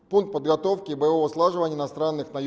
sebagian besar korban yang terluka